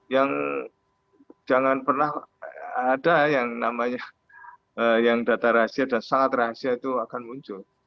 yang jangan pernah ada yang namanya yang data rahasia dan sangat rahasia itu akan muncul